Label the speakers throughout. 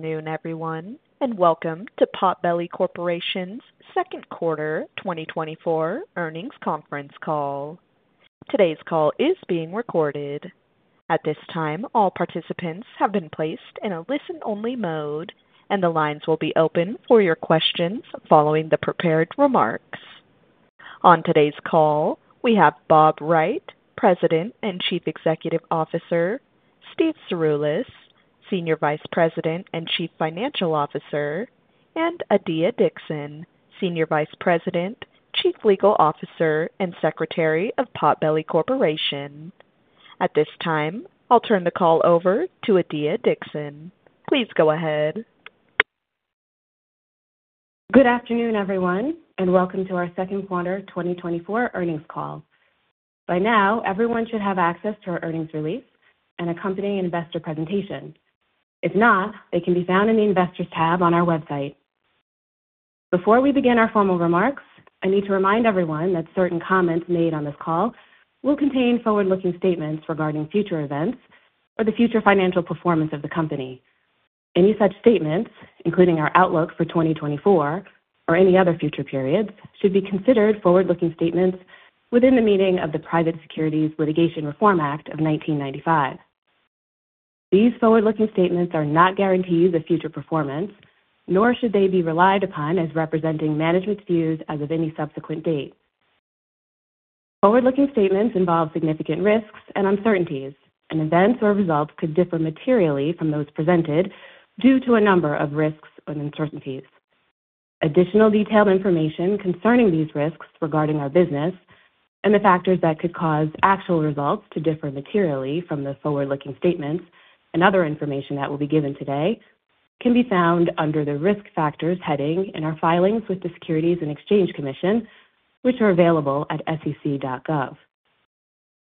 Speaker 1: Good afternoon, everyone, and welcome to Potbelly Corporation's second quarter 2024 earnings conference call. Today's call is being recorded. At this time, all participants have been placed in a listen-only mode, and the lines will be open for your questions following the prepared remarks. On today's call, we have Bob Wright, President and Chief Executive Officer, Steve Cirulis, Senior Vice President and Chief Financial Officer, and Adiya Dixon, Senior Vice President, Chief Legal Officer, and Secretary of Potbelly Corporation. At this time, I'll turn the call over to Adiya Dixon. Please go ahead.
Speaker 2: Good afternoon, everyone, and welcome to our second quarter 2024 earnings call. By now, everyone should have access to our earnings release and accompanying investor presentation. If not, they can be found in the Investors tab on our website. Before we begin our formal remarks, I need to remind everyone that certain comments made on this call will contain forward-looking statements regarding future events or the future financial performance of the company. Any such statements, including our outlook for 2024 or any other future periods, should be considered forward-looking statements within the meaning of the Private Securities Litigation Reform Act of 1995. These forward-looking statements are not guarantees of future performance, nor should they be relied upon as representing management's views as of any subsequent date. Forward-looking statements involve significant risks and uncertainties, and events or results could differ materially from those presented due to a number of risks and uncertainties. Additional detailed information concerning these risks regarding our business and the factors that could cause actual results to differ materially from the forward-looking statements and other information that will be given today can be found under the Risk Factors heading in our filings with the Securities and Exchange Commission, which are available at sec.gov.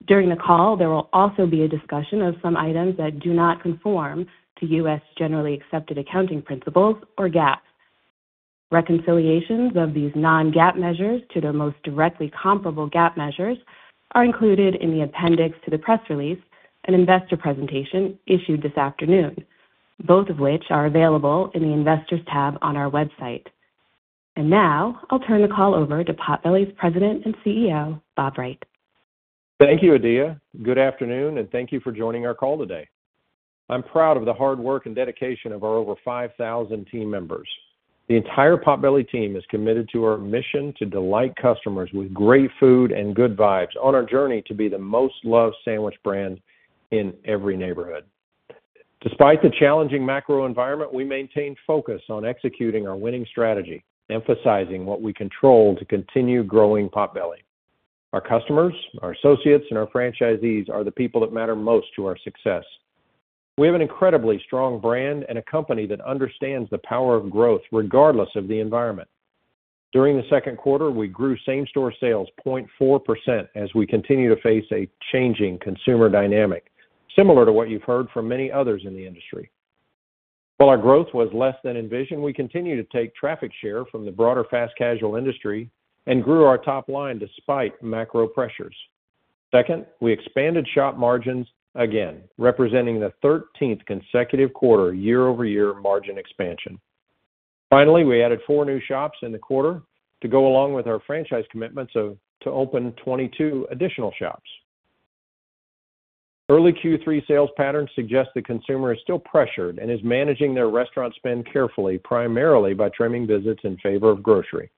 Speaker 2: During the call, there will also be a discussion of some items that do not conform to U.S. Generally Accepted Accounting Principles, or GAAP. Reconciliations of these non-GAAP measures to their most directly comparable GAAP measures are included in the appendix to the press release and investor presentation issued this afternoon, both of which are available in the Investors tab on our website. Now I'll turn the call over to Potbelly's President and CEO, Bob Wright.
Speaker 3: Thank you, Adiya. Good afternoon, and thank you for joining our call today. I'm proud of the hard work and dedication of our over 5,000 team members. The entire Potbelly team is committed to our mission to delight customers with great food and good vibes on our journey to be the most loved sandwich brand in every neighborhood. Despite the challenging macro environment, we maintained focus on executing our winning strategy, emphasizing what we control to continue growing Potbelly. Our customers, our associates, and our franchisees are the people that matter most to our success. We have an incredibly strong brand and a company that understands the power of growth, regardless of the environment. During the second quarter, we grew same-store sales 0.4% as we continue to face a changing consumer dynamic, similar to what you've heard from many others in the industry. While our growth was less than envisioned, we continued to take traffic share from the broader fast casual industry and grew our top line despite macro pressures. Second, we expanded shop margins again, representing the 13th consecutive quarter year-over-year margin expansion. Finally, we added 4 new shops in the quarter to go along with our franchise commitments to open 22 additional shops. Early Q3 sales patterns suggest the consumer is still pressured and is managing their restaurant spend carefully, primarily by trimming visits in favor of grocery.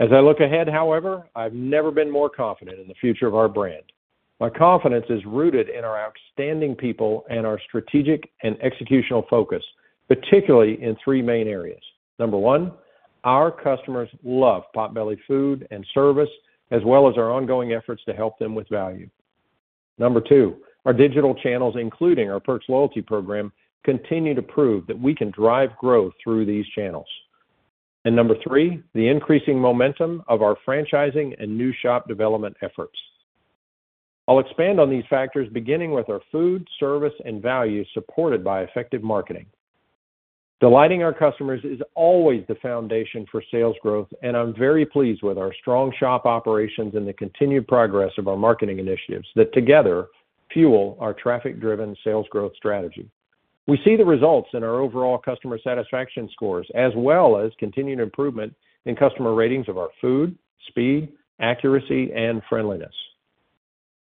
Speaker 3: As I look ahead, however, I've never been more confident in the future of our brand. My confidence is rooted in our outstanding people and our strategic and executional focus, particularly in three main areas. Number one, our customers love Potbelly food and service, as well as our ongoing efforts to help them with value. Number two, our digital channels, including our Perks loyalty program, continue to prove that we can drive growth through these channels. Number three, the increasing momentum of our franchising and new shop development efforts. I'll expand on these factors, beginning with our food, service, and value, supported by effective marketing. Delighting our customers is always the foundation for sales growth, and I'm very pleased with our strong shop operations and the continued progress of our marketing initiatives that together fuel our traffic-driven sales growth strategy. We see the results in our overall customer satisfaction scores, as well as continued improvement in customer ratings of our food, speed, accuracy, and friendliness.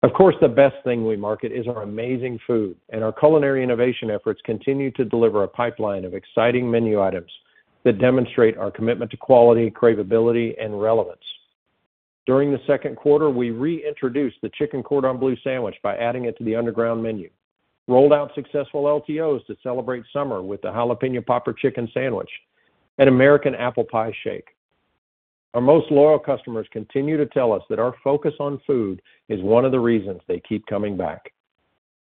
Speaker 3: Of course, the best thing we market is our amazing food, and our culinary innovation efforts continue to deliver a pipeline of exciting menu items that demonstrate our commitment to quality, cravability, and relevance. During the second quarter, we reintroduced the Chicken Cordon Bleu sandwich by adding it to the Underground Menu, rolled out successful LTOs to celebrate summer with the Jalapeño Popper Chicken Sandwich and American Apple Pie Shake. Our most loyal customers continue to tell us that our focus on food is one of the reasons they keep coming back.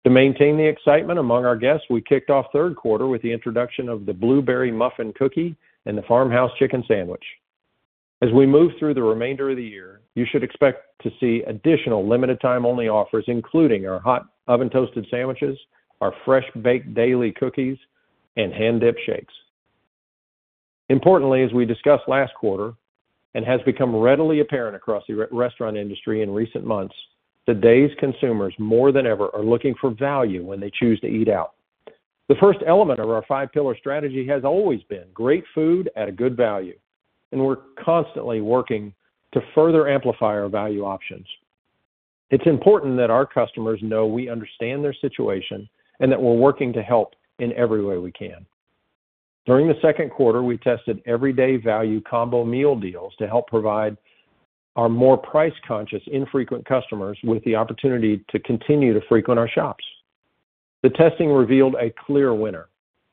Speaker 3: To maintain the excitement among our guests, we kicked off third quarter with the introduction of the Blueberry Muffin Cookie and the Farmhouse Chicken Sandwich. As we move through the remainder of the year, you should expect to see additional limited-time only offers, including our hot oven-toasted sandwiches, our fresh-baked daily cookies, and hand-dipped shakes. Importantly, as we discussed last quarter, and has become readily apparent across the restaurant industry in recent months, today's consumers, more than ever, are looking for value when they choose to eat out. The first element of our five-pillar strategy has always been great food at a good value, and we're constantly working to further amplify our value options. It's important that our customers know we understand their situation and that we're working to help in every way we can. During the second quarter, we tested everyday value combo meal deals to help provide our more price-conscious, infrequent customers with the opportunity to continue to frequent our shops. The testing revealed a clear winner.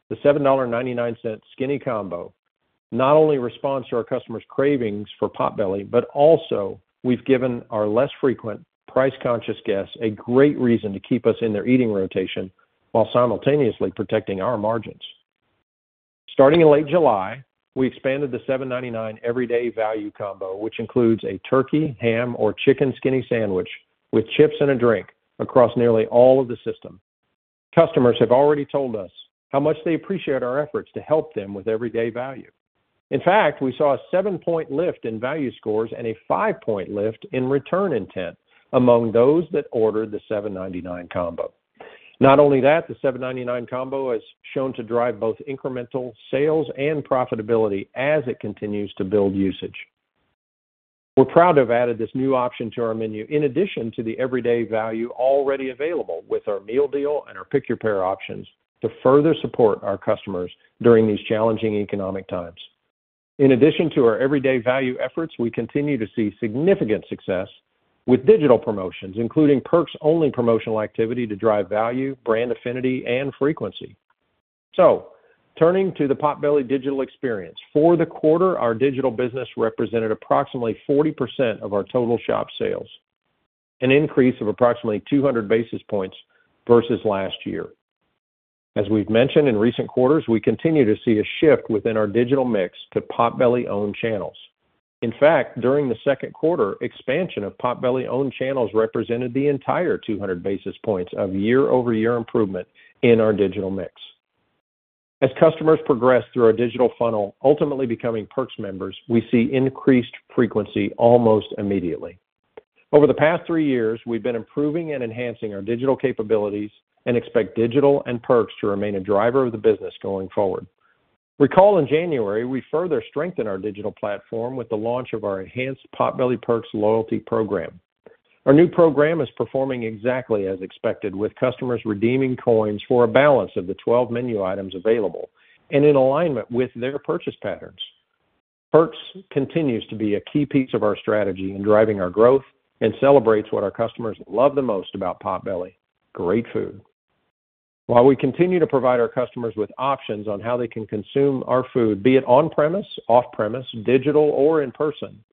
Speaker 3: The $7.99 Skinny Combo not only responds to our customers' cravings for Potbelly, but also we've given our less frequent, price-conscious guests a great reason to keep us in their eating rotation while simultaneously protecting our margins. Starting in late July, we expanded the $7.99 Everyday Value Combo, which includes a turkey, ham, or chicken Skinny sandwich with chips and a drink across nearly all of the system. Customers have already told us how much they appreciate our efforts to help them with everyday value. In fact, we saw a seven-point lift in value scores and a five-point lift in return intent among those that ordered the $7.99 Combo. Not only that, the $7.99 Combo has shown to drive both incremental sales and profitability as it continues to build usage. We're proud to have added this new option to our menu, in addition to the everyday value already available with our Meal Deal and our Pick Your Pair options, to further support our customers during these challenging economic times. In addition to our everyday value efforts, we continue to see significant success with digital promotions, including Perks-only promotional activity to drive value, brand affinity, and frequency. So turning to the Potbelly Digital Experience. For the quarter, our digital business represented approximately 40% of our total shop sales, an increase of approximately 200 bps versus last year. As we've mentioned in recent quarters, we continue to see a shift within our digital mix to Potbelly-owned channels. In fact, during the second quarter, expansion of Potbelly-owned channels represented the entire 200 bps of year-over-year improvement in our digital mix. As customers progress through our digital funnel, ultimately becoming Perks members, we see increased frequency almost immediately. Over the past three years, we've been improving and enhancing our digital capabilities and expect digital and Perks to remain a driver of the business going forward. Recall in January, we further strengthened our digital platform with the launch of our enhanced Potbelly Perks loyalty program. Our new program is performing exactly as expected, with customers redeeming coins for a balance of the 12 menu items available and in alignment with their purchase patterns. Perks continues to be a key piece of our strategy in driving our growth and celebrates what our customers love the most about Potbelly, great food. While we continue to provide our customers with options on how they can consume our food, be it on-premise, off-premise, digital, or in person,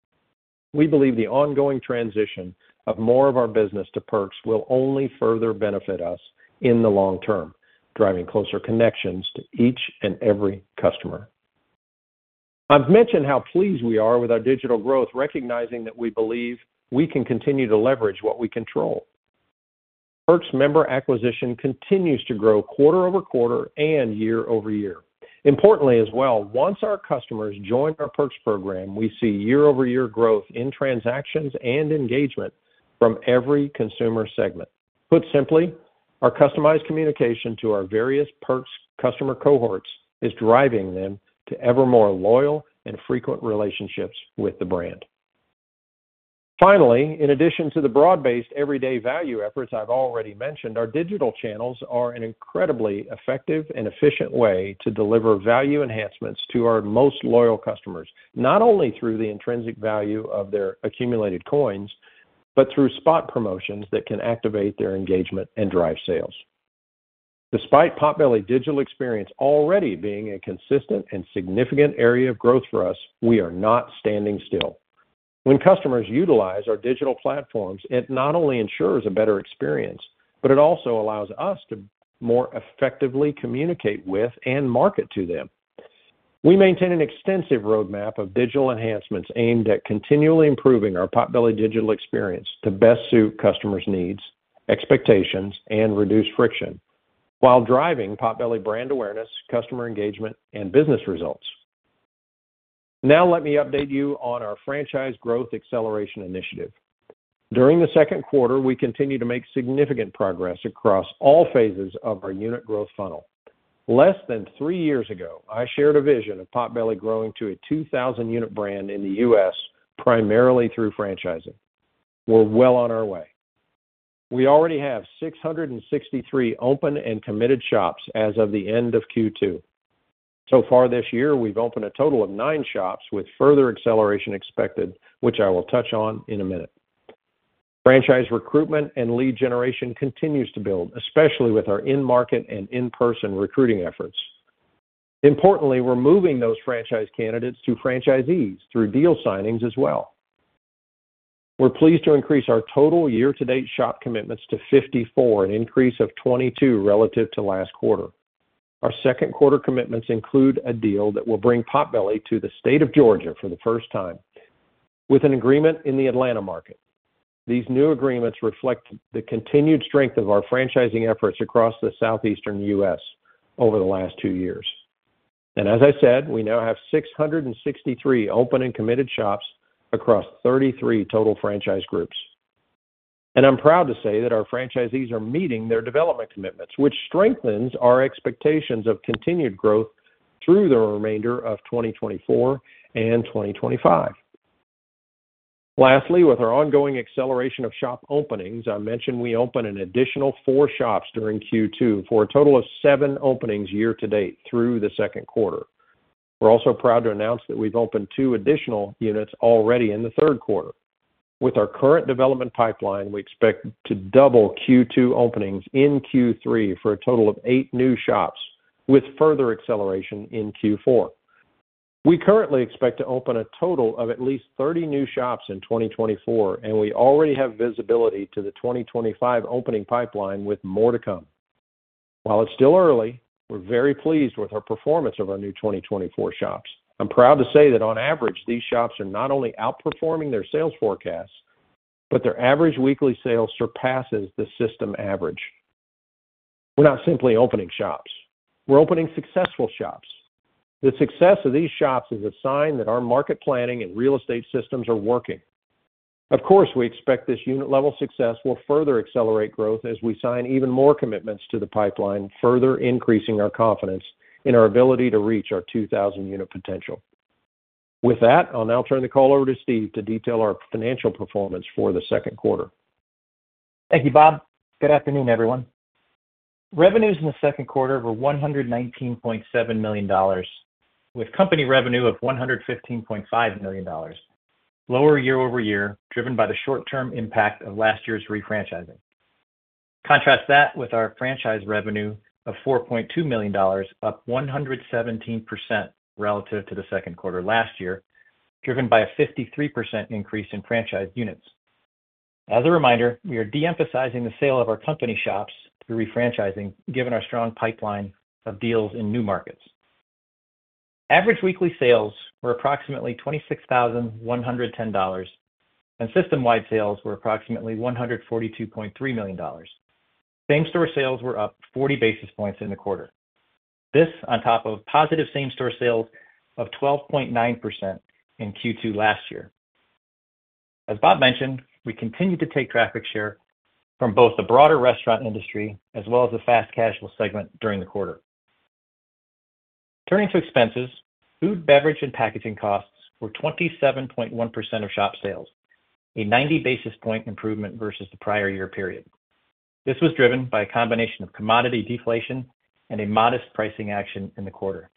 Speaker 3: we believe the ongoing transition of more of our business to Perks will only further benefit us in the long term, driving closer connections to each and every customer. I've mentioned how pleased we are with our digital growth, recognizing that we believe we can continue to leverage what we control. Perks member acquisition continues to grow quarter over quarter and year over year. Importantly as well, once our customers join our Perks program, we see year-over-year growth in transactions and engagement from every consumer segment. Put simply, our customized communication to our various Perks customer cohorts is driving them to ever more loyal and frequent relationships with the brand. Finally, in addition to the broad-based everyday value efforts I've already mentioned, our digital channels are an incredibly effective and efficient way to deliver value enhancements to our most loyal customers, not only through the intrinsic value of their accumulated coins, but through spot promotions that can activate their engagement and drive sales. Despite Potbelly Digital Experience already being a consistent and significant area of growth for us, we are not standing still. When customers utilize our digital platforms, it not only ensures a better experience, but it also allows us to more effectively communicate with and market to them. We maintain an extensive roadmap of digital enhancements aimed at continually improving our Potbelly Digital Experience to best suit customers' needs, expectations, and reduce friction while driving Potbelly brand awareness, customer engagement, and business results. Now let me update you on our franchise growth acceleration initiative. During the second quarter, we continued to make significant progress across all phases of our unit growth funnel. Less than three years ago, I shared a vision of Potbelly growing to a 2,000-unit brand in the U.S., primarily through franchising. We're well on our way. We already have 663 open and committed shops as of the end of Q2. So far this year, we've opened a total of nine shops, with further acceleration expected, which I will touch on in a minute. Franchise recruitment and lead generation continues to build, especially with our in-market and in-person recruiting efforts. Importantly, we're moving those franchise candidates to franchisees through deal signings as well. We're pleased to increase our total year-to-date shop commitments to 54, an increase of 22 relative to last quarter. Our second quarter commitments include a deal that will bring Potbelly to the state of Georgia for the first time, with an agreement in the Atlanta market. These new agreements reflect the continued strength of our franchising efforts across the Southeastern U.S. over the last two years. As I said, we now have 663 open and committed shops across 33 total franchise groups. I'm proud to say that our franchisees are meeting their development commitments, which strengthens our expectations of continued growth through the remainder of 2024 and 2025. Lastly, with our ongoing acceleration of shop openings, I mentioned we opened an additional four shops during Q2 for a total of seven openings year to date through the second quarter. We're also proud to announce that we've opened two additional units already in the third quarter. With our current development pipeline, we expect to double Q2 openings in Q3 for a total of eight new shops, with further acceleration in Q4. We currently expect to open a total of at least 30 new shops in 2024, and we already have visibility to the 2025 opening pipeline with more to come. While it's still early, we're very pleased with our performance of our new 2024 shops. I'm proud to say that on average, these shops are not only outperforming their sales forecasts, but their average weekly sales surpasses the system average. We're not simply opening shops, we're opening successful shops. The success of these shops is a sign that our market planning and real estate systems are working. Of course, we expect this unit level success will further accelerate growth as we sign even more commitments to the pipeline, further increasing our confidence in our ability to reach our 2,000-unit potential. With that, I'll now turn the call over to Steve to detail our financial performance for the second quarter.
Speaker 4: Thank you, Bob. Good afternoon, everyone. Revenues in the second quarter were $119.7 million, with company revenue of $115.5 million, lower year-over-year, driven by the short-term impact of last year's refranchising. Contrast that with our franchise revenue of $4.2 million, up 117% relative to the second quarter last year, driven by a 53% increase in franchise units. As a reminder, we are de-emphasizing the sale of our company shops through refranchising, given our strong pipeline of deals in new markets. Average weekly sales were approximately $26,110, and system-wide sales were approximately $142.3 million. Same-store sales were up 40 bps in the quarter. This on top of positive same-store sales of 12.9% in Q2 last year. As Bob mentioned, we continued to take traffic share from both the broader restaurant industry as well as the fast casual segment during the quarter. Turning to expenses, food, beverage, and packaging costs were 27.1% of shop sales, a 90 bp improvement versus the prior year period. This was driven by a combination of commodity deflation and a modest pricing action in the quarter.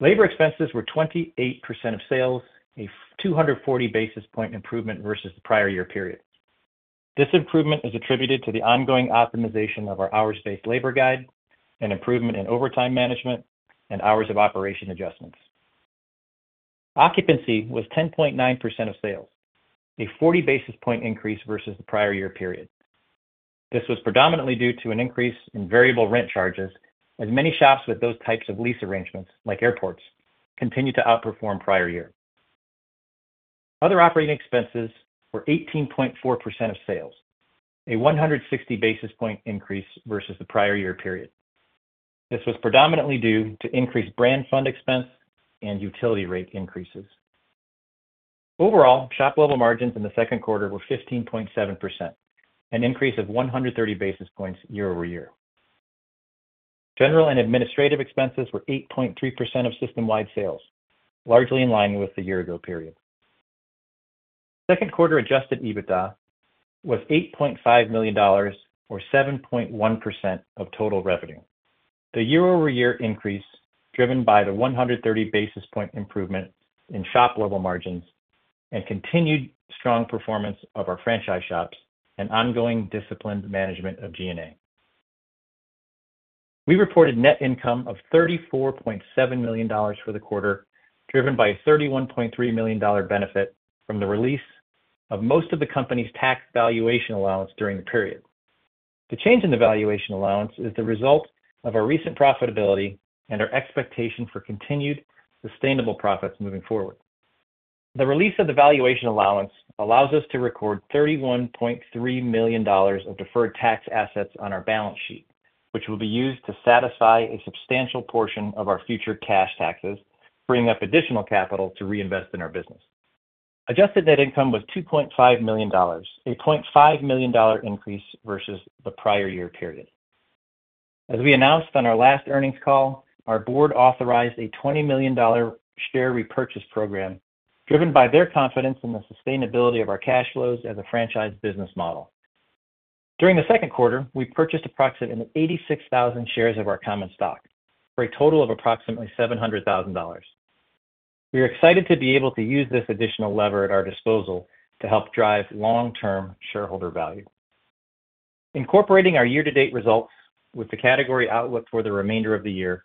Speaker 4: Labor expenses were 28% of sales, a 240 bp improvement versus the prior year period. This improvement is attributed to the ongoing optimization of our hours-based labor guide and improvement in overtime management and hours of operation adjustments. Occupancy was 10.9% of sales, a 40 bp increase versus the prior year period. This was predominantly due to an increase in variable rent charges, as many shops with those types of lease arrangements, like airports, continued to outperform prior year. Other operating expenses were 18.4% of sales, a 160 bps increase versus the prior year period. This was predominantly due to increased brand fund expense and utility rate increases. Overall, shop level margins in the second quarter were 15.7%, an increase of 130 bps year-over-year. General and administrative expenses were 8.3% of system-wide sales, largely in line with the year ago period. Second quarter Adjusted EBITDA was $8.5 million or 7.1% of total revenue. The year-over-year increase driven by the 100 bps improvement in Shop Level Margins and continued strong performance of our franchise shops and ongoing disciplined management of G&A. We reported net income of $34.7 million for the quarter, driven by a $31.3 million benefit from the release of most of the company's Tax Valuation Allowance during the period. The change in the valuation allowance is the result of our recent profitability and our expectation for continued sustainable profits moving forward. The release of the valuation allowance allows us to record $31.3 million of Deferred Tax Assets on our balance sheet, which will be used to satisfy a substantial portion of our future cash taxes, freeing up additional capital to reinvest in our business. Adjusted net income was $2.5 million, a $0.5 million increase versus the prior year period. As we announced on our last earnings call, our board authorized a $20 million share repurchase program, driven by their confidence in the sustainability of our cash flows as a franchise business model. During the second quarter, we purchased approximately 86,000 shares of our common stock, for a total of approximately $700,000. We are excited to be able to use this additional lever at our disposal to help drive long-term shareholder value. Incorporating our year-to-date results with the category outlook for the remainder of the year,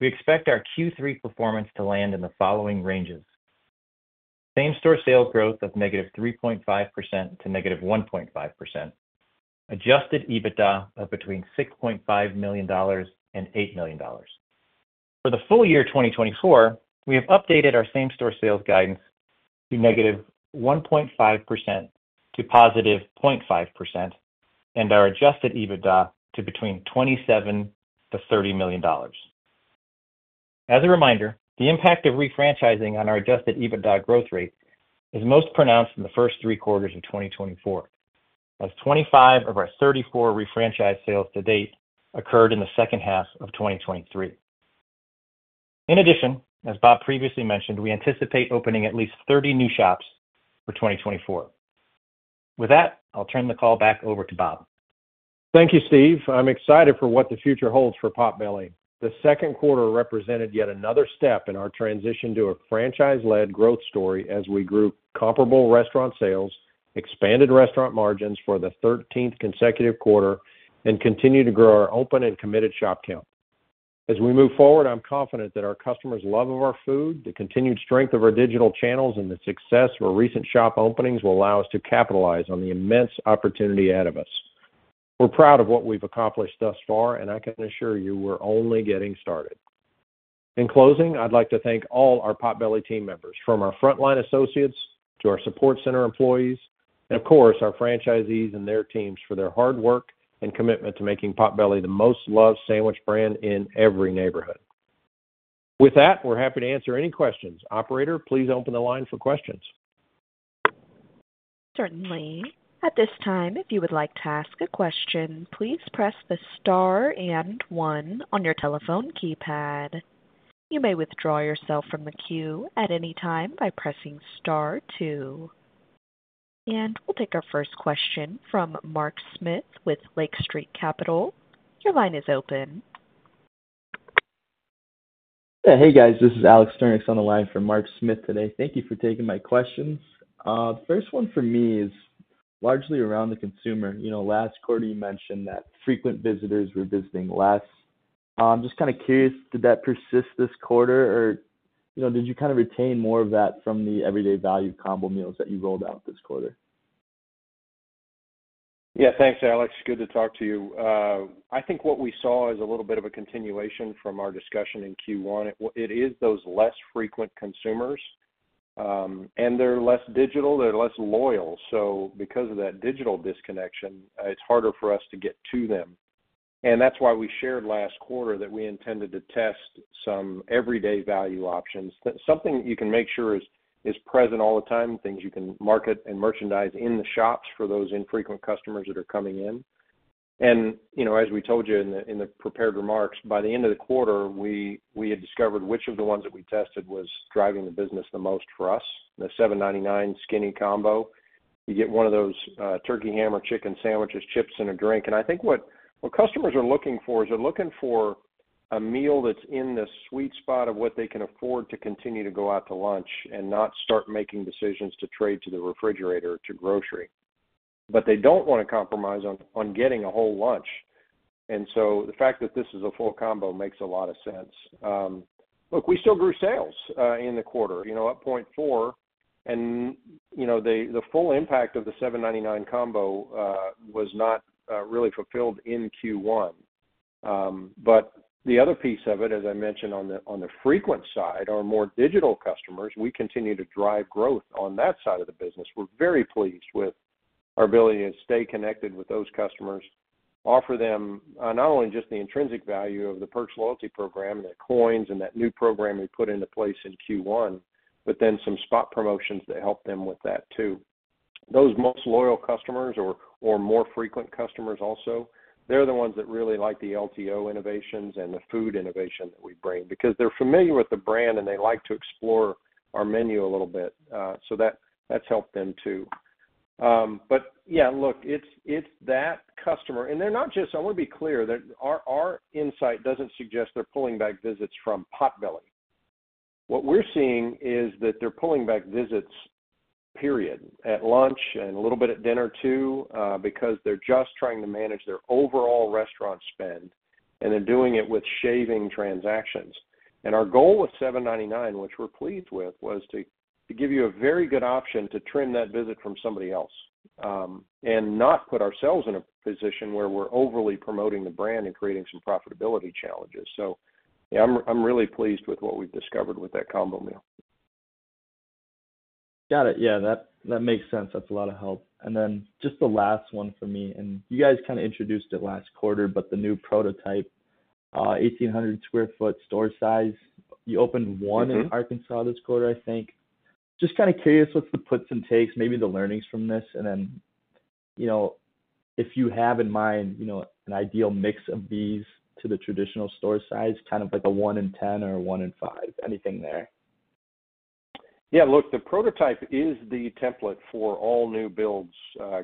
Speaker 4: we expect our Q3 performance to land in the following ranges: same-store sales growth of -3.5% to -1.5%.... adjusted EBITDA of between $6.5 million and $8 million. For the full year, 2024, we have updated our same-store sales guidance to -1.5% to +0.5%, and our adjusted EBITDA to between $27 million to $30 million. As a reminder, the impact of refranchising on our adjusted EBITDA growth rate is most pronounced in the first three quarters of 2024, as 25 of our 34 refranchise sales to date occurred in the second half of 2023. In addition, as Bob previously mentioned, we anticipate opening at least 30 new shops for 2024. With that, I'll turn the call back over to Bob.
Speaker 3: Thank you, Steve. I'm excited for what the future holds for Potbelly. The second quarter represented yet another step in our transition to a franchise-led growth story as we grew comparable restaurant sales, expanded restaurant margins for the thirteenth consecutive quarter, and continued to grow our open and committed shop count. As we move forward, I'm confident that our customers' love of our food, the continued strength of our digital channels, and the success of our recent shop openings will allow us to capitalize on the immense opportunity ahead of us. We're proud of what we've accomplished thus far, and I can assure you we're only getting started. In closing, I'd like to thank all our Potbelly team members, from our frontline associates to our support center employees, and of course, our franchisees and their teams for their hard work and commitment to making Potbelly the most loved sandwich brand in every neighborhood. With that, we're happy to answer any questions. Operator, please open the line for questions.
Speaker 1: Certainly. At this time, if you would like to ask a question, please press the star and one on your telephone keypad. You may withdraw yourself from the queue at any time by pressing star two. And we'll take our first question from Mark Smith with Lake Street Capital Markets. Your line is open.
Speaker 5: Hey, guys, this is Alex Sturnieks on the line for Mark Smith today. Thank you for taking my questions. The first one for me is largely around the consumer. You know, last quarter, you mentioned that frequent visitors were visiting less. I'm just kind of curious, did that persist this quarter, or, you know, did you kind of retain more of that from the everyday value combo meals that you rolled out this quarter?
Speaker 3: Yeah. Thanks, Alex. Good to talk to you. I think what we saw is a little bit of a continuation from our discussion in Q1. It is those less frequent consumers, and they're less digital, they're less loyal. So because of that digital disconnection, it's harder for us to get to them. And that's why we shared last quarter that we intended to test some everyday value options. That's something you can make sure is present all the time, things you can market and merchandise in the shops for those infrequent customers that are coming in. And, you know, as we told you in the prepared remarks, by the end of the quarter, we had discovered which of the ones that we tested was driving the business the most for us, the $7.99 Skinny Combo. You get one of those turkey, ham, or chicken sandwiches, chips, and a drink. I think what customers are looking for is they're looking for a meal that's in the sweet spot of what they can afford to continue to go out to lunch and not start making decisions to trade to the refrigerator, to grocery. But they don't want to compromise on getting a whole lunch, and so the fact that this is a full combo makes a lot of sense. Look, we still grew sales in the quarter, you know, at 0.4, and, you know, the full impact of the $7.99 combo was not really fulfilled in Q1. But the other piece of it, as I mentioned on the, on the frequent side, our more digital customers, we continue to drive growth on that side of the business. We're very pleased with our ability to stay connected with those customers, offer them, not only just the intrinsic value of the Perks loyalty program, their coins, and that new program we put into place in Q1, but then some spot promotions that help them with that too. Those most loyal customers or, or more frequent customers also, they're the ones that really like the LTO innovations and the food innovation that we bring because they're familiar with the brand, and they like to explore our menu a little bit. So that's helped them too. But yeah, look, it's, it's that customer, and they're not just... I want to be clear that our, our insight doesn't suggest they're pulling back visits from Potbelly. What we're seeing is that they're pulling back visits, period, at lunch and a little bit at dinner, too, because they're just trying to manage their overall restaurant spend, and they're doing it with shaving transactions. And our goal with $7.99, which we're pleased with, was to, to give you a very good option to trim that visit from somebody else, and not put ourselves in a position where we're overly promoting the brand and creating some profitability challenges. So yeah, I'm, I'm really pleased with what we've discovered with that combo meal.
Speaker 5: Got it. Yeah, that, that makes sense. That's a lot of help. And then just the last one for me, and you guys kind of introduced it last quarter, but the new prototype, 1,800 sq ft store size, you opened one-
Speaker 3: Mm-hmm...
Speaker 5: in Arkansas this quarter, I think. Just kind of curious, what's the puts and takes, maybe the learnings from this, and then, you know, if you have in mind, you know, an ideal mix of these to the traditional store size, kind of like a one in 10 or one in five, anything there?
Speaker 3: Yeah, look, the prototype is the template for all new builds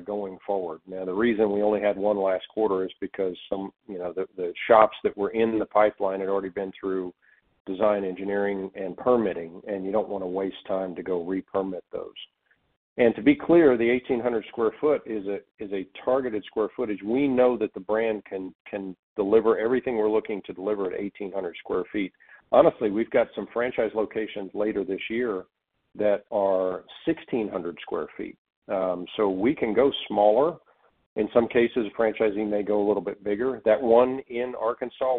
Speaker 3: going forward. Now, the reason we only had one last quarter is because some, you know, the shops that were in the pipeline had already been through design, engineering, and permitting, and you don't want to waste time to go re-permit those. And to be clear, the 1,800 sq ft is a targeted square footage. We know that the brand can deliver everything we're looking to deliver at 1,800 sq ft. Honestly, we've got some franchise locations later this year that are 1,600 sq ft. So we can go smaller. In some cases, franchising may go a little bit bigger. That one in Arkansas,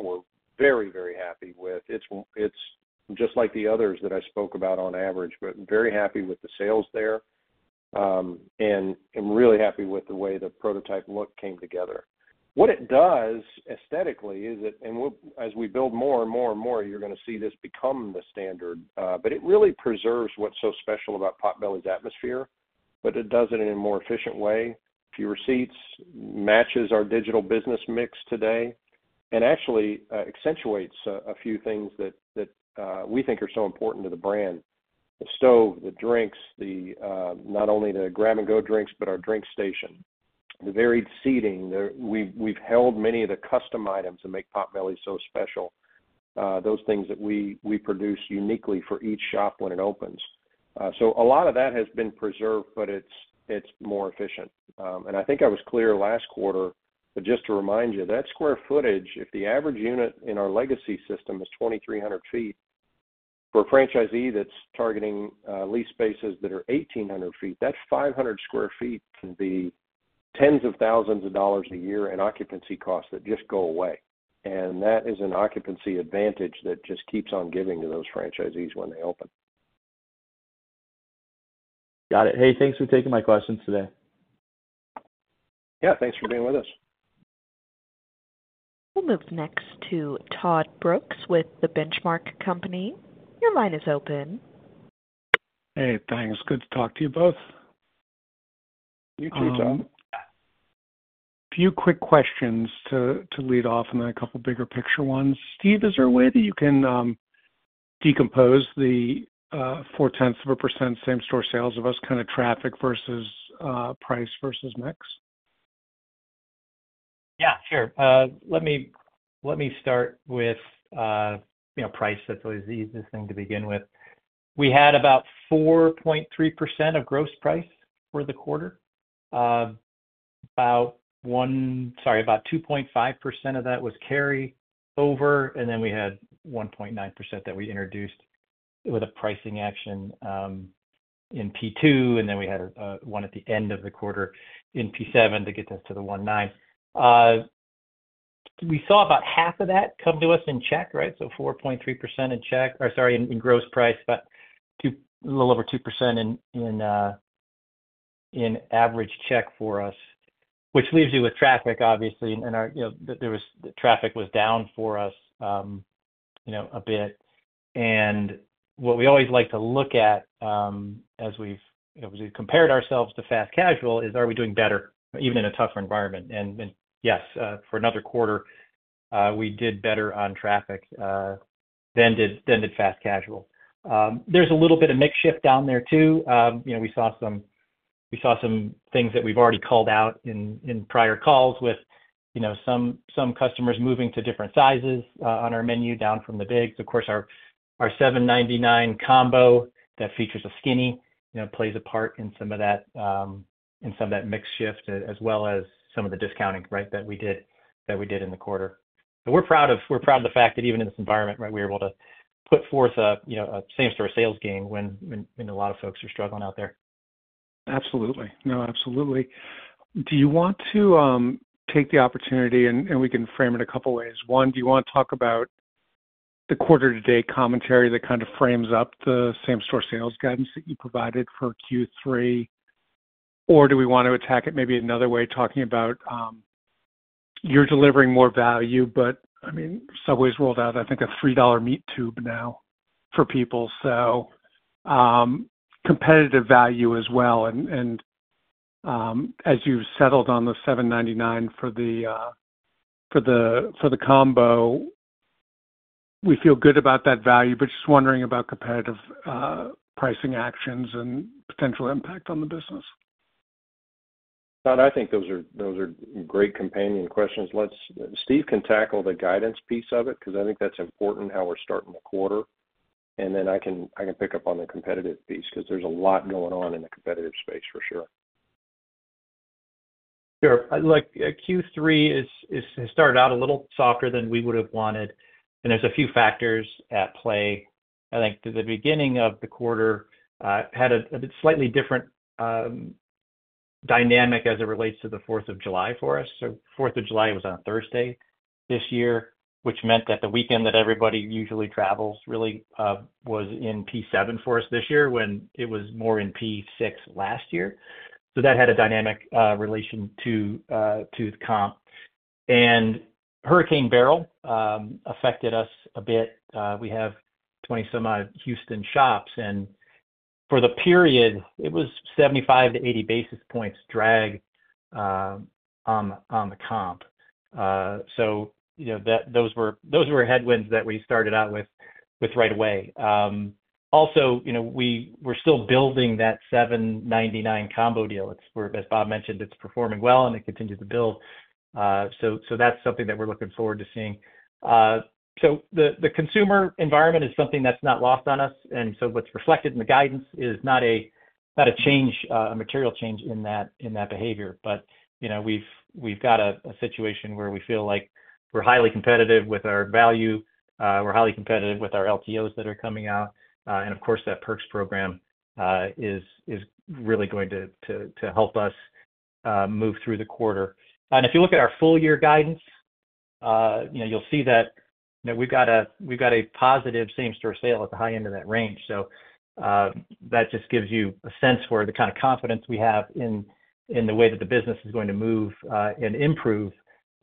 Speaker 3: we're very, very happy with. It's just like the others that I spoke about on average, but very happy with the sales there. I'm really happy with the way the prototype look came together. What it does aesthetically is, as we build more and more and more, you're gonna see this become the standard, but it really preserves what's so special about Potbelly's atmosphere, but it does it in a more efficient way. Fewer seats, matches our digital business mix today, and actually accentuates a few things that we think are so important to the brand. The stove, the drinks, not only the grab-and-go drinks, but our drink station, the varied seating. We've held many of the custom items that make Potbelly so special, those things that we produce uniquely for each shop when it opens. So a lot of that has been preserved, but it's more efficient. I think I was clear last quarter, but just to remind you, that square footage, if the average unit in our legacy system is 2,300 sq ft, for a franchisee that's targeting lease spaces that are 1,800 sq ft, that's 500 sq ft, can be tens of thousands of dollars a year in occupancy costs that just go away. And that is an occupancy advantage that just keeps on giving to those franchisees when they open.
Speaker 5: Got it. Hey, thanks for taking my questions today.
Speaker 3: Yeah, thanks for being with us.
Speaker 1: We'll move next to Todd Brooks with The Benchmark Company. Your line is open.
Speaker 6: Hey, thanks. Good to talk to you both.
Speaker 3: You too, Todd.
Speaker 6: Few quick questions to lead off, and then a couple bigger picture ones. Steve, is there a way that you can decompose the 0.4% same-store sales of us, kind of traffic versus price versus mix?
Speaker 4: Yeah, sure. Let me, let me start with, you know, price. That's always the easiest thing to begin with. We had about 4.3% of gross price for the quarter. About two point five percent of that was carry over, and then we had 1.9% that we introduced with a pricing action, in P2, and then we had, one at the end of the quarter in P7 to get this to the 1.9. We saw about half of that come to us in check, right? So 4.3% in check, or sorry, in gross price, but a little over 2% in average check for us, which leaves you with traffic, obviously, and our, you know, there was the traffic was down for us, you know, a bit. And what we always like to look at, as we've, as we compared ourselves to fast casual, is, are we doing better, even in a tougher environment? And yes, for another quarter, we did better on traffic than did fast casual. There's a little bit of mix shift down there, too. You know, we saw some things that we've already called out in prior calls with, you know, some customers moving to different sizes on our menu, down from the big. Of course, our $7.99 combo that features a skinny, you know, plays a part in some of that, in some of that mix shift, as well as some of the discounting, right, that we did in the quarter. But we're proud of the fact that even in this environment, right, we were able to put forth, you know, a same-store sales gain when a lot of folks are struggling out there.
Speaker 6: Absolutely. No, absolutely. Do you want to take the opportunity, and we can frame it a couple ways. One, do you want to talk about the quarter-to-date commentary that kind of frames up the same-store sales guidance that you provided for Q3? Or do we want to attack it maybe another way, talking about, you're delivering more value, but, I mean, Subway's rolled out, I think, a $3 meat tube now for people, so, competitive value as well. And, as you settled on the $7.99 for the, for the, for the combo, we feel good about that value, but just wondering about competitive, pricing actions and potential impact on the business.
Speaker 3: Todd, I think those are great companion questions. Let's. Steve can tackle the guidance piece of it, because I think that's important, how we're starting the quarter, and then I can pick up on the competitive piece, because there's a lot going on in the competitive space for sure.
Speaker 4: Sure. Look, Q3 has started out a little softer than we would have wanted, and there's a few factors at play. I think the beginning of the quarter had a slightly different dynamic as it relates to the Fourth of July for us. So Fourth of July was on a Thursday this year, which meant that the weekend that everybody usually travels really was in P7 for us this year, when it was more in P6 last year. So that had a dynamic relation to the comp. And Hurricane Beryl affected us a bit. We have 20-some-odd Houston shops, and for the period, it was 75 bps to 80 bps drag on the comp. So you know, those were headwinds that we started out with right away. Also, you know, we're still building that $7.99 combo deal. It's where, as Bob mentioned, it's performing well, and it continues to build. So, that's something that we're looking forward to seeing. So the consumer environment is something that's not lost on us, and so what's reflected in the guidance is not a change, a material change in that behavior. But, you know, we've got a situation where we feel like we're highly competitive with our value, we're highly competitive with our LTOs that are coming out. And of course, that Perks program is really going to help us move through the quarter. If you look at our full year guidance, you know, you'll see that, you know, we've got a, we've got a positive same-store sale at the high end of that range. So, that just gives you a sense for the kind of confidence we have in, in the way that the business is going to move, and improve,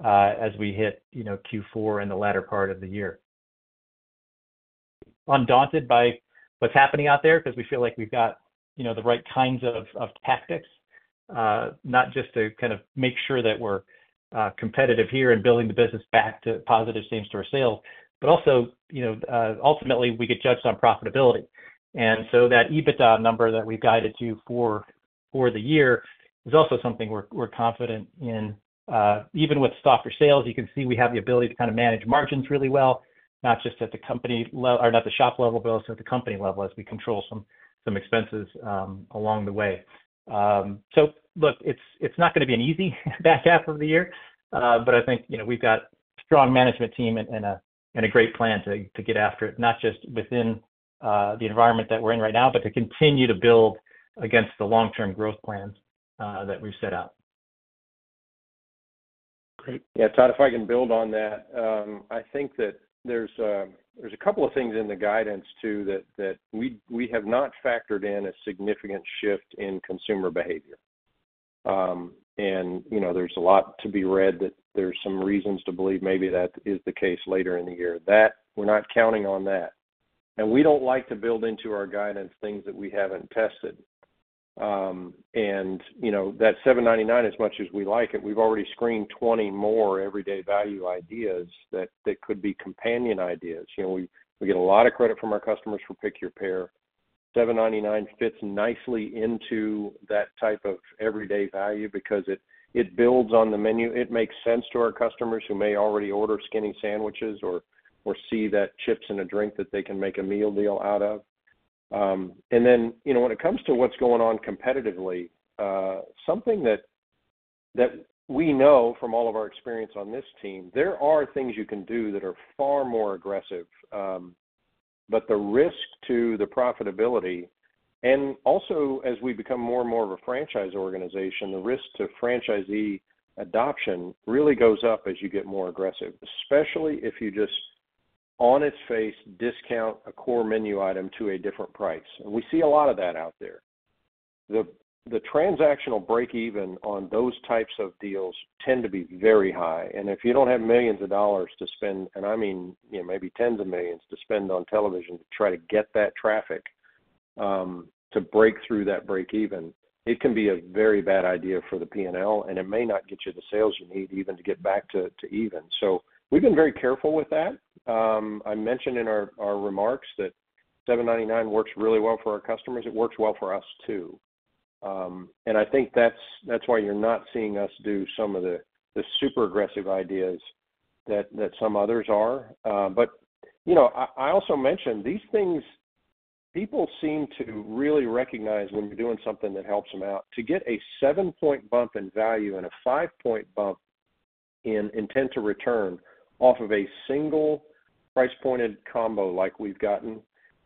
Speaker 4: as we hit, you know, Q4 in the latter part of the year. Undaunted by what's happening out there, because we feel like we've got, you know, the right kinds of, of tactics, not just to kind of make sure that we're, competitive here in building the business back to positive same-store sales, but also, you know, ultimately, we get judged on profitability. And so that EBITDA number that we've guided you for, for the year is also something we're, we're confident in. Even with soft sales, you can see we have the ability to kind of manage margins really well, not just at the company level or not the shop level, but also at the company level, as we control some expenses along the way. So look, it's not gonna be an easy back half of the year, but I think, you know, we've got strong management team and a great plan to get after it, not just within the environment that we're in right now, but to continue to build against the long-term growth plans that we've set out.
Speaker 6: Great.
Speaker 3: Yeah, Todd, if I can build on that. I think that there's a couple of things in the guidance, too, that we have not factored in a significant shift in consumer behavior. And, you know, there's a lot to be read that there's some reasons to believe maybe that is the case later in the year. That, we're not counting on that. And we don't like to build into our guidance things that we haven't tested. And, you know, that $7.99, as much as we like it, we've already screened 20 more everyday value ideas that could be companion ideas. You know, we get a lot of credit from our customers for Pick Your Pair. $7.99 fits nicely into that type of everyday value because it builds on the menu. It makes sense to our customers who may already order Skinny sandwiches or see that chips and a drink that they can make a meal deal out of. And then, you know, when it comes to what's going on competitively, something that we know from all of our experience on this team, there are things you can do that are far more aggressive, but the risk to the profitability and also as we become more and more of a franchise organization, the risk to franchisee adoption really goes up as you get more aggressive, especially if you just, on its face, discount a core menu item to a different price. And we see a lot of that out there. The transactional break-even on those types of deals tend to be very high, and if you don't have millions of dollars to spend, and I mean, you know, maybe tens of millions to spend on television to try to get that traffic, to break through that break even, it can be a very bad idea for the P&L, and it may not get you the sales you need even to get back to even. So we've been very careful with that. I mentioned in our, our remarks that $7.99 works really well for our customers. It works well for us, too. And I think that's, that's why you're not seeing us do some of the, the super aggressive ideas that, that some others are. But, you know, I also mentioned these things, people seem to really recognize when we're doing something that helps them out. To get a seven-point bump in value and a five-point bump in intent to return off of a single price-pointed combo like we've gotten,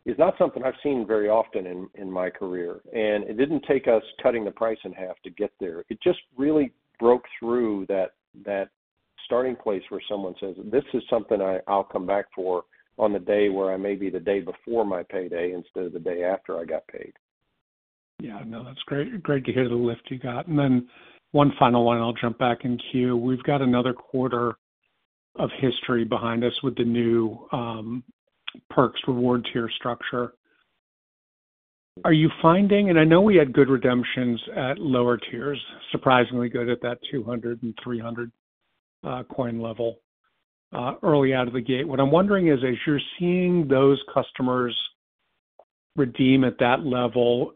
Speaker 3: is not something I've seen very often in my career, and it didn't take us cutting the price in half to get there. It just really broke through that starting place where someone says, "This is something I'll come back for on the day, where I may be the day before my payday instead of the day after I got paid.
Speaker 6: Yeah, no, that's great. Great to hear the lift you got. And then one final one, and I'll jump back in queue. We've got another quarter of history behind us with the new Perks reward tier structure. Are you finding... And I know we had good redemptions at lower tiers, surprisingly good at that 200 and 300 coin level early out of the gate. What I'm wondering is, as you're seeing those customers redeem at that level,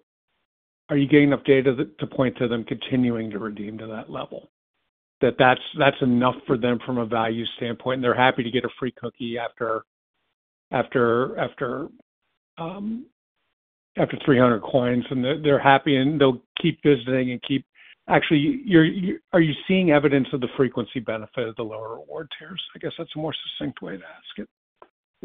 Speaker 6: are you getting enough data to point to them continuing to redeem to that level? That's enough for them from a value standpoint, and they're happy to get a free cookie after 300 coins, and they're happy, and they'll keep visiting and keep. Actually, are you seeing evidence of the frequency benefit of the lower reward tiers? I guess that's a more succinct way to ask it.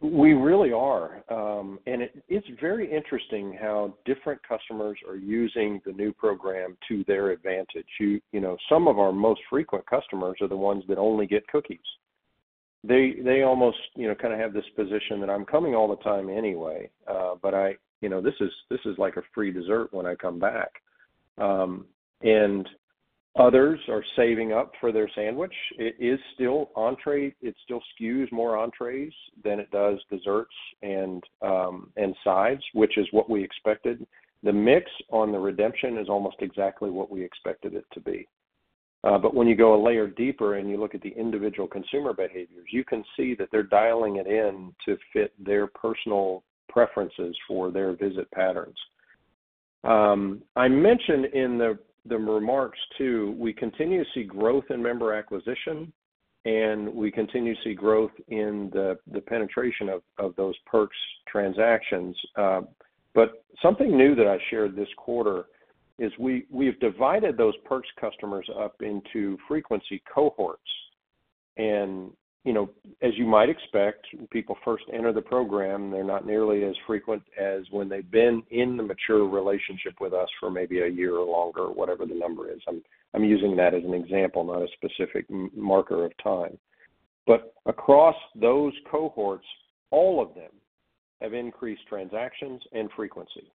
Speaker 3: We really are. And it's very interesting how different customers are using the new program to their advantage. You know, some of our most frequent customers are the ones that only get cookies. They almost, you know, kind of have this position that I'm coming all the time anyway, but I... You know, this is like a free dessert when I come back. And others are saving up for their sandwich. It is still entree. It still skews more entrees than it does desserts and sides, which is what we expected. The mix on the redemption is almost exactly what we expected it to be. But when you go a layer deeper, and you look at the individual consumer behaviors, you can see that they're dialing it in to fit their personal preferences for their visit patterns. I mentioned in the remarks, too, we continue to see growth in member acquisition... and we continue to see growth in the penetration of those Perks transactions. But something new that I shared this quarter is we've divided those Perks customers up into frequency cohorts. And, you know, as you might expect, when people first enter the program, they're not nearly as frequent as when they've been in the mature relationship with us for maybe a year or longer, whatever the number is. I'm using that as an example, not a specific marker of time. But across those cohorts, all of them have increased transactions and frequency.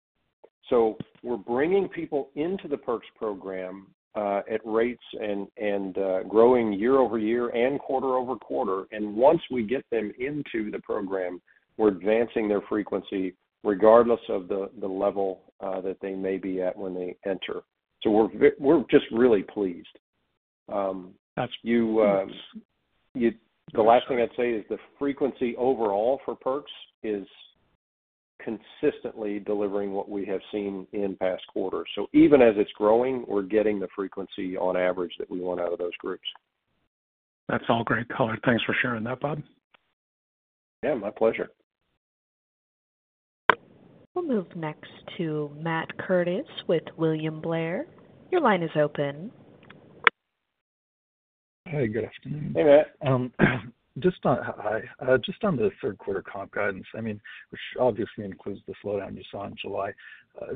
Speaker 3: So we're bringing people into the Perks program at rates and growing year over year and quarter over quarter. Once we get them into the program, we're advancing their frequency regardless of the level that they may be at when they enter. So we're just really pleased. You, you-
Speaker 4: That's-
Speaker 3: The last thing I'd say is the frequency overall for Perks is consistently delivering what we have seen in past quarters. So even as it's growing, we're getting the frequency on average that we want out of those groups.
Speaker 4: That's all great color. Thanks for sharing that, Bob.
Speaker 3: Yeah, my pleasure.
Speaker 1: We'll move next to Matthew Curtis with William Blair. Your line is open.
Speaker 7: Hi, good afternoon.
Speaker 3: Hey, Matt.
Speaker 7: Just on the third quarter comp guidance, I mean, which obviously includes the slowdown you saw in July.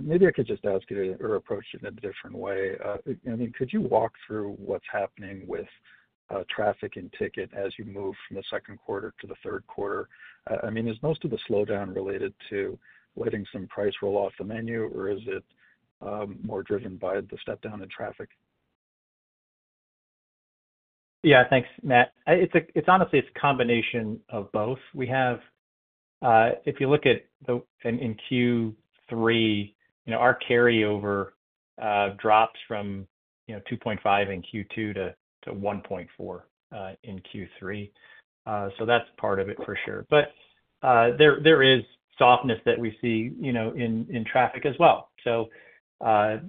Speaker 7: Maybe I could just ask you to, or approach it in a different way. I mean, could you walk through what's happening with traffic and ticket as you move from the second quarter to the third quarter? I mean, is most of the slowdown related to letting some price roll off the menu, or is it more driven by the step down in traffic?
Speaker 4: Yeah, thanks, Matt. It's honestly a combination of both. We have, if you look at the in Q3, you know, our carryover drops from, you know, 2.5 in Q2 to 1.4 in Q3. So that's part of it for sure. But there is softness that we see, you know, in traffic as well. So I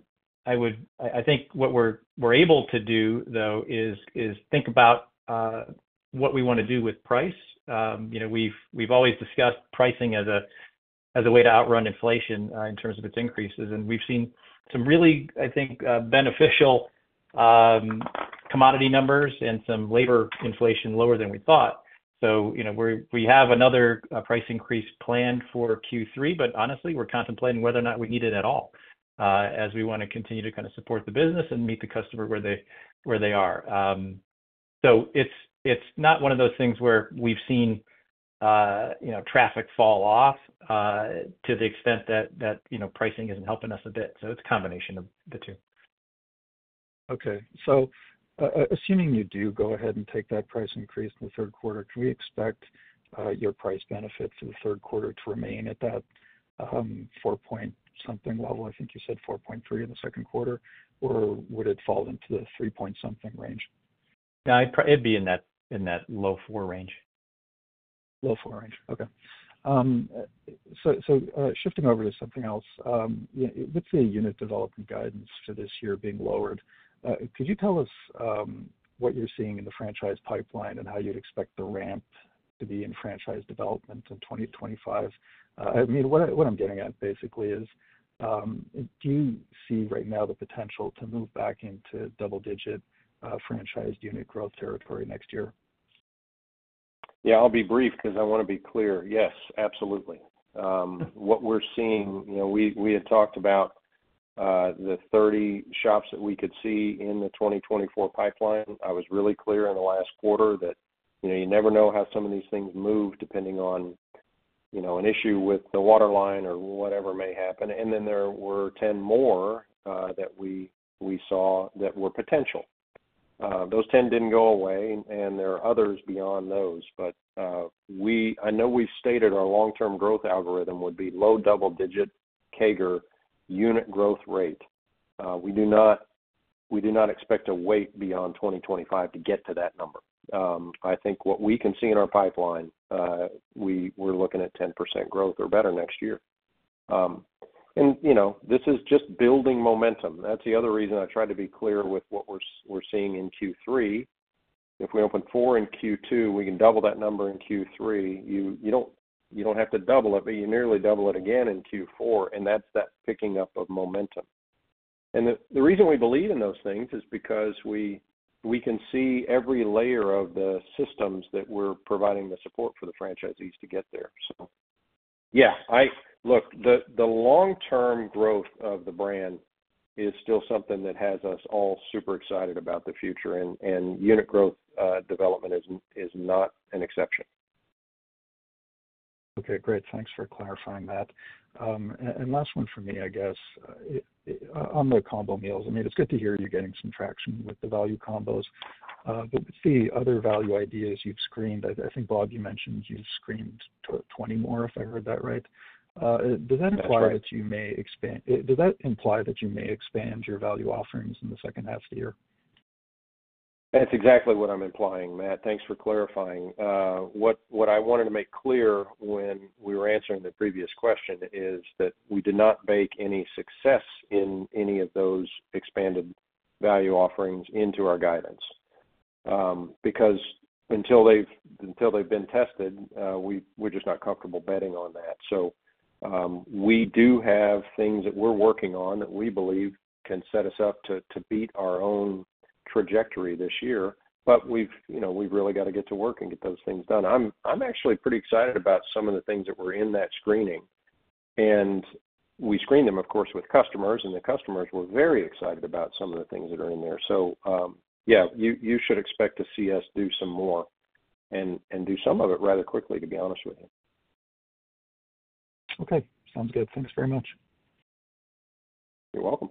Speaker 4: would, I think what we're able to do, though, is think about what we want to do with price. You know, we've always discussed pricing as a way to outrun inflation in terms of its increases, and we've seen some really, I think, beneficial commodity numbers and some labor inflation lower than we thought. So, you know, we have another price increase planned for Q3, but honestly, we're contemplating whether or not we need it at all, as we want to continue to kind of support the business and meet the customer where they are. So it's not one of those things where we've seen, you know, traffic fall off to the extent that, you know, pricing isn't helping us a bit. So it's a combination of the two.
Speaker 7: Okay. So assuming you do go ahead and take that price increase in the third quarter, can we expect your price benefit for the third quarter to remain at that four-point-something level? I think you said 4.3 in the second quarter, or would it fall into the three-point-something range?
Speaker 4: Yeah, it'd be in that low four range.
Speaker 7: Low four range. Okay. So, shifting over to something else, you know, with the unit development guidance for this year being lowered, could you tell us what you're seeing in the franchise pipeline and how you'd expect the ramp to be in franchise development in 2025? I mean, what I'm getting at basically is, do you see right now the potential to move back into double-digit franchise unit growth territory next year?
Speaker 3: Yeah, I'll be brief because I want to be clear. Yes, absolutely. What we're seeing, you know, we, we had talked about the 30 shops that we could see in the 2024 pipeline. I was really clear in the last quarter that, you know, you never know how some of these things move, depending on, you know, an issue with the waterline or whatever may happen. And then there were 10 more that we, we saw that were potential. Those 10 didn't go away, and there are others beyond those. But, we - I know we've stated our long-term growth algorithm would be low double-digit CAGR unit growth rate. We do not, we do not expect to wait beyond 2025 to get to that number. I think what we can see in our pipeline, we're looking at 10% growth or better next year. You know, this is just building momentum. That's the other reason I tried to be clear with what we're seeing in Q3. If we open four in Q2, we can double that number in Q3. You don't have to double it, but you nearly double it again in Q4, and that's that picking up of momentum. The reason we believe in those things is because we can see every layer of the systems that we're providing the support for the franchisees to get there. So yeah, look, the long-term growth of the brand is still something that has us all super excited about the future, and unit growth development is not an exception.
Speaker 7: Okay, great. Thanks for clarifying that. And last one for me, I guess. On the combo meals, I mean, it's good to hear you're getting some traction with the value combos, but the other value ideas you've screened, I think, Bob, you mentioned you've screened 20 more, if I heard that right. Does that imply-
Speaker 3: That's right.
Speaker 7: -that you may expand... does that imply that you may expand your value offerings in the second half of the year?
Speaker 3: That's exactly what I'm implying, Matt. Thanks for clarifying. What I wanted to make clear when we were answering the previous question is that we did not bake any success in any of those expanded value offerings into our guidance, because until they've been tested, we're just not comfortable betting on that. So, we do have things that we're working on that we believe can set us up to beat our own trajectory this year. But we've, you know, we've really got to get to work and get those things done. I'm actually pretty excited about some of the things that were in that screening, and we screened them, of course, with customers, and the customers were very excited about some of the things that are in there. Yeah, you should expect to see us do some more and do some of it rather quickly, to be honest with you.
Speaker 7: Okay, sounds good. Thanks very much.
Speaker 3: You're welcome.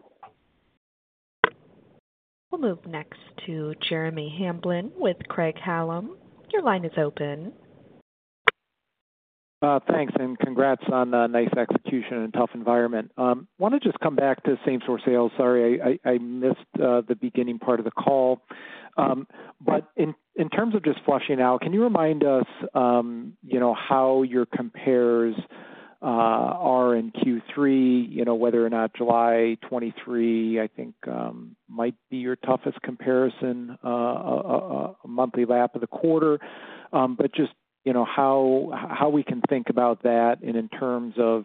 Speaker 1: We'll move next to Jeremy Hamblin with Craig-Hallum. Your line is open.
Speaker 8: Thanks, and congrats on the nice execution in a tough environment. Want to just come back to same-store sales. Sorry, I missed the beginning part of the call. But in terms of just fleshing out, can you remind us, you know, how your compares are in Q3? You know, whether or not July 2023, I think, might be your toughest comparison, monthly lap of the quarter. But just, you know, how we can think about that and in terms of,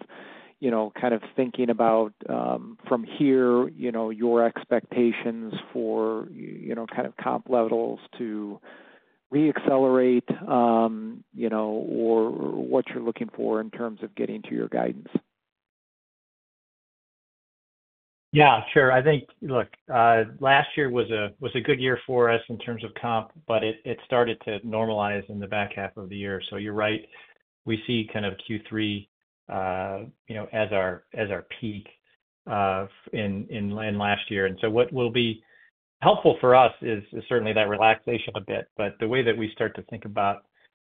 Speaker 8: you know, kind of thinking about, from here, you know, your expectations for, you know, kind of comp levels to reaccelerate, you know, or what you're looking for in terms of getting to your guidance.
Speaker 4: Yeah, sure. I think, look, last year was a good year for us in terms of comp, but it started to normalize in the back half of the year. So you're right, we see kind of Q3, you know, as our peak lap last year. And so what will be helpful for us is certainly that relaxation a bit. But the way that we start to think about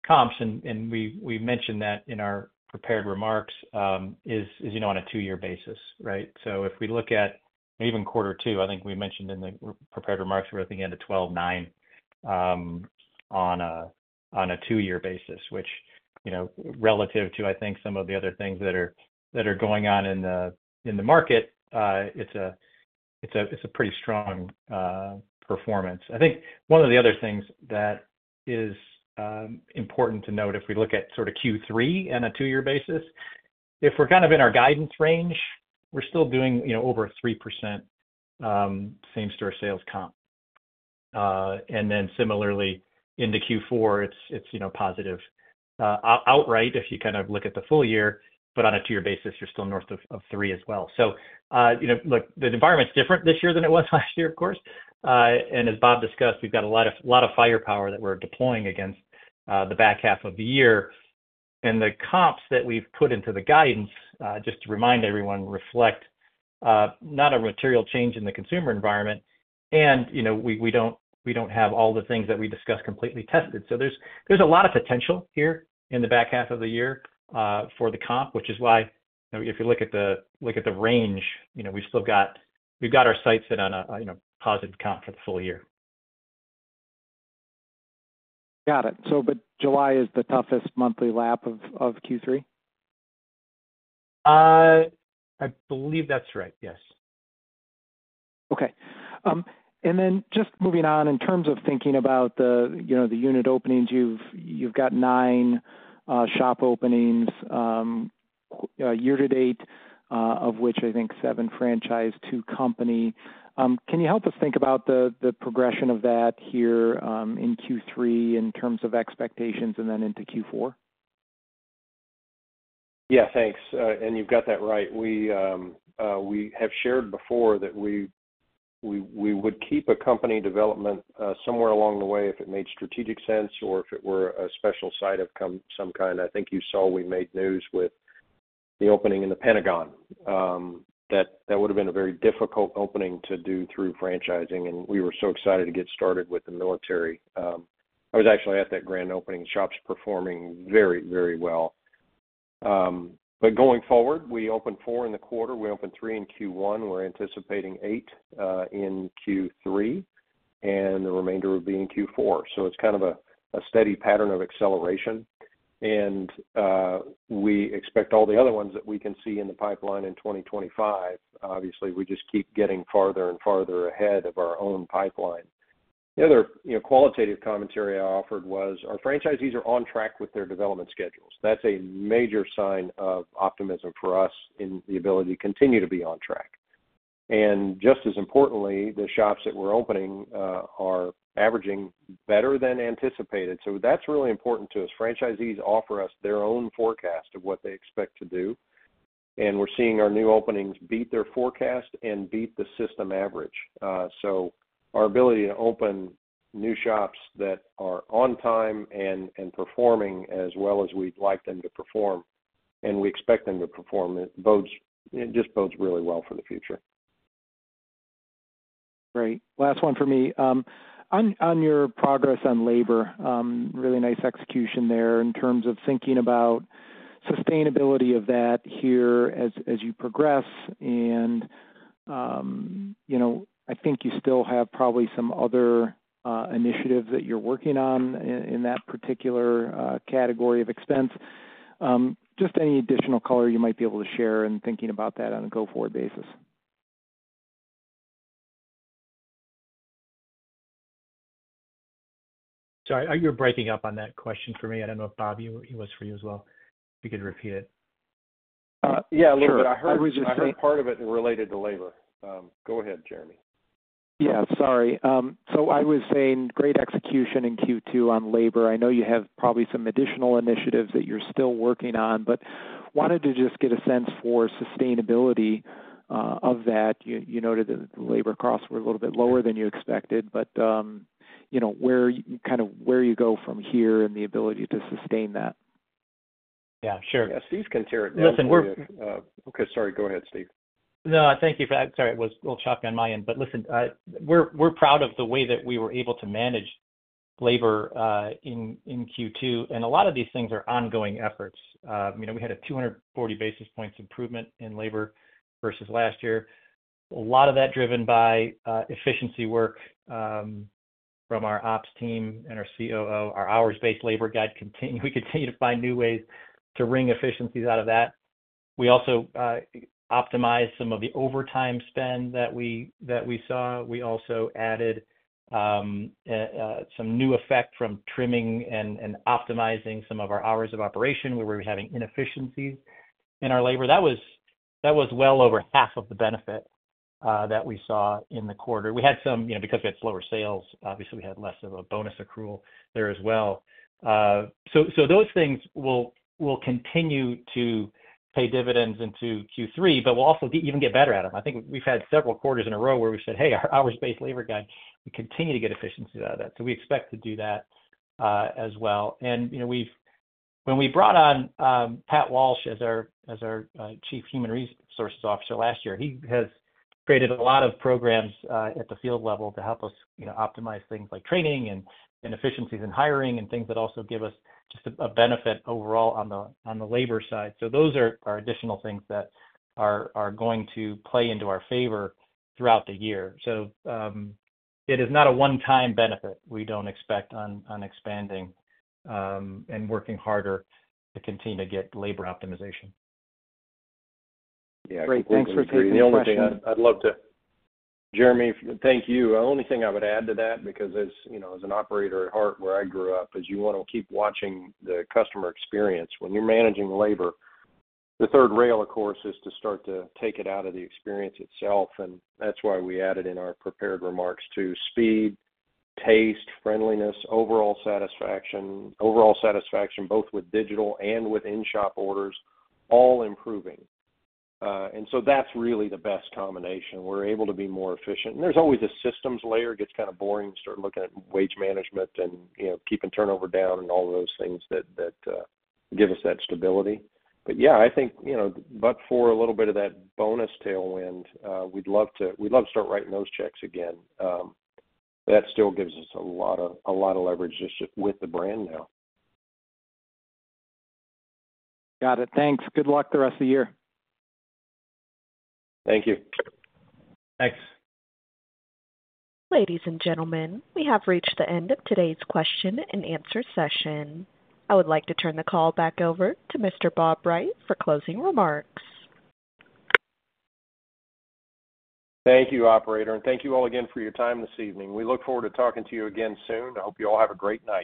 Speaker 4: comps, and we mentioned that in our prepared remarks, is you know, on a two-year basis, right? So if we look at even quarter two, I think we mentioned in the prepared remarks, we're at the end of 12.9, on a two-year basis, which, you know, relative to, I think, some of the other things that are going on in the market, it's a pretty strong performance. I think one of the other things that is important to note, if we look at sort of Q3 on a two-year basis, if we're kind of in our guidance range, we're still doing, you know, over 3% same-store sales comp. And then similarly, into Q4, it's, you know, positive outright if you kind of look at the full year, but on a two-year basis, you're still North of three as well. So, you know, look, the environment's different this year than it was last year, of course. As Bob discussed, we've got a lot of firepower that we're deploying against the back half of the year. The comps that we've put into the guidance, just to remind everyone, reflect not a material change in the consumer environment. You know, we don't have all the things that we discussed completely tested. So there's a lot of potential here in the back half of the year for the comp, which is why, you know, if you look at the range, you know, we've still got. We've got our sights set on a, you know, positive comp for the full year.
Speaker 8: Got it. So but July is the toughest monthly lap of Q3?
Speaker 4: I believe that's right. Yes.
Speaker 8: Okay. And then just moving on, in terms of thinking about the, you know, the unit openings, you've got 9 shop openings year to date, of which I think seven franchise, two company. Can you help us think about the progression of that here in Q3 in terms of expectations and then into Q4?
Speaker 3: Yeah, thanks. And you've got that right. We, we have shared before that we, we would keep a company development somewhere along the way if it made strategic sense or if it were a special site of some kind. I think you saw we made news with the opening in the Pentagon. That would have been a very difficult opening to do through franchising, and we were so excited to get started with the military. I was actually at that grand opening. The shop's performing very, very well. But going forward, we opened 4 in the quarter. We opened three in Q1. We're anticipating eight in Q3, and the remainder would be in Q4. So it's kind of a steady pattern of acceleration. We expect all the other ones that we can see in the pipeline in 2025. Obviously, we just keep getting farther and farther ahead of our own pipeline. The other, you know, qualitative commentary I offered was our franchisees are on track with their development schedules. That's a major sign of optimism for us in the ability to continue to be on track. And just as importantly, the shops that we're opening are averaging better than anticipated. So that's really important to us. Franchisees offer us their own forecast of what they expect to do, and we're seeing our new openings beat their forecast and beat the system average. So our ability to open new shops that are on time and performing as well as we'd like them to perform, and we expect them to perform, it just bodes really well for the future.
Speaker 8: Great. Last one for me. On your progress on labor, really nice execution there in terms of thinking about sustainability of that here as you progress and, you know, I think you still have probably some other initiatives that you're working on in that particular category of expense. Just any additional color you might be able to share in thinking about that on a go-forward basis?... Sorry, you're breaking up on that question for me. I don't know if, Bob, it was for you as well. If you could repeat it.
Speaker 3: Yeah, a little bit.
Speaker 4: Sure.
Speaker 3: I heard part of it related to labor. Go ahead, Jeremy.
Speaker 8: Yeah, sorry. So I was saying great execution in Q2 on labor. I know you have probably some additional initiatives that you're still working on, but wanted to just get a sense for sustainability of that. You noted that the labor costs were a little bit lower than you expected, but you know, kind of where you go from here and the ability to sustain that.
Speaker 4: Yeah, sure.
Speaker 3: Yeah, Steve can take it now.
Speaker 4: Listen, we're-
Speaker 3: Okay. Sorry. Go ahead, Steve.
Speaker 4: No, thank you for that. Sorry, it was a little choppy on my end. But listen, we're proud of the way that we were able to manage labor in Q2, and a lot of these things are ongoing efforts. You know, we had a 240 bps improvement in labor versus last year. A lot of that driven by efficiency work from our ops team and our COO, our hours-based labor guide continue, we continue to find new ways to wring efficiencies out of that. We also optimized some of the overtime spend that we saw. We also added some new effect from trimming and optimizing some of our hours of operation, where we were having inefficiencies in our labor. That was well over half of the benefit that we saw in the quarter. We had some... You know, because we had slower sales, obviously, we had less of a bonus accrual there as well. So those things will continue to pay dividends into Q3, but we'll also even get better at them. I think we've had several quarters in a row where we said, "Hey, our hours-based labor guide, we continue to get efficiencies out of that." So we expect to do that as well. You know, when we brought on Pat Walsh as our Chief Human Resources Officer last year, he has created a lot of programs at the field level to help us, you know, optimize things like training and efficiencies in hiring and things that also give us just a benefit overall on the labor side. So those are additional things that are going to play into our favor throughout the year. So, it is not a one-time benefit we don't expect on expanding and working harder to continue to get labor optimization.
Speaker 8: Great. Thanks for taking the question.
Speaker 3: The only thing I'd love to - Jeremy, thank you. The only thing I would add to that, because as, you know, as an operator at heart, where I grew up, is you want to keep watching the customer experience. When you're managing labor, the third rail, of course, is to start to take it out of the experience itself, and that's why we added in our prepared remarks to speed, taste, friendliness, overall satisfaction, overall satisfaction, both with digital and with in-shop orders, all improving. And so that's really the best combination. We're able to be more efficient. And there's always a systems layer. It gets kind of boring to start looking at wage management and, you know, keeping turnover down and all of those things that, that give us that stability. But yeah, I think, you know, but for a little bit of that bonus tailwind, we'd love to, we'd love to start writing those checks again. That still gives us a lot of, a lot of leverage just with the brand now.
Speaker 8: Got it. Thanks. Good luck the rest of the year.
Speaker 3: Thank you.
Speaker 4: Thanks.
Speaker 1: Ladies and gentlemen, we have reached the end of today's question-and-answer session. I would like to turn the call back over to Mr. Bob Wright for closing remarks.
Speaker 3: Thank you, operator, and thank you all again for your time this evening. We look forward to talking to you again soon. I hope you all have a great night.